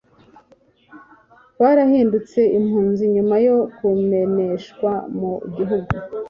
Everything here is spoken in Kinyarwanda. barahindutse impunzi nyuma yo kumeneshwa mu gihugu